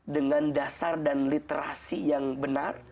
dengan dasar dan literasi yang benar